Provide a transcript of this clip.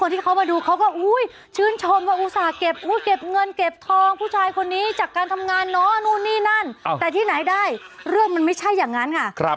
แต่ที่ไหนได้เรื่องมันไม่ใช่อย่างนั้นค่ะ